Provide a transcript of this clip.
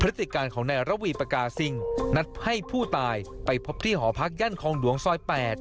พฤติการของแนรวีปกาสิงนัดให้ผู้ตายไปพบที่หอพักยั่นของดวงซอย๘